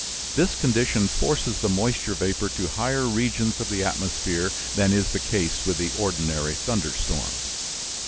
This condition forces the moisture vapor to higher regions of the atmosphere than is the case with the ordinary thunderstorm.